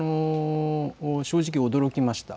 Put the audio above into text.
正直驚きました。